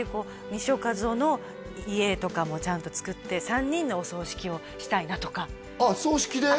西尾一男の遺影とかもちゃんと作って３人のお葬式をしたいなとかあっ葬式で？